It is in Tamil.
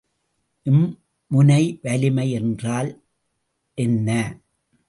இம்முனை வலிமை என்றால் என்ன?